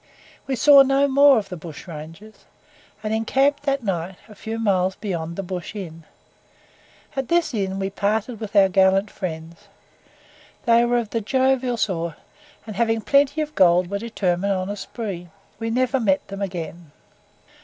We saw no more of the bushrangers, and encamped that night a few miles beyond the "Bush Inn." At this inn we parted with our gallant friends. They were of the jovial sort, and having plenty of gold, were determined on a spree. We never met them again.